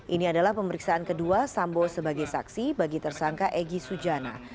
ini adalah pemeriksaan kedua sambo sebagai saksi bagi tersangka egy sujana